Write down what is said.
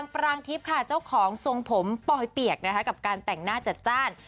ปรางทิพย์ค่ะเจ้าของทรงผมปลอยเปียกนะคะกับการแต่งหน้าจัดจ้าน